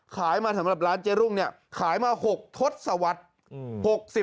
มาสำหรับร้านเจรุ่งเนี่ยขายมา๖ทศวรรษ